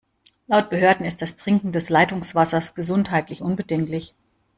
Laut Behörden ist das Trinken des Leitungswassers gesundheitlich unbedenklich.